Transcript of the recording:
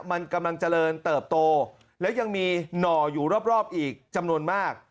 มันกำลังเจริญเติบโตและยังมีหน่ออยู่รอบอีกจำนวนมาก